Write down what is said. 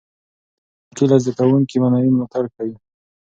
ښوونکي له زده کوونکو معنوي ملاتړ کوي.